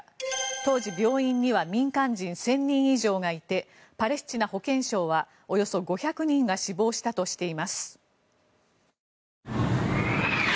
当時、病院には民間人１０００人以上がいてパレスチナ保健省はおよそ５００人が死亡したとしています。